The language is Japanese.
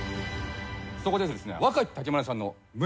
そこでですね。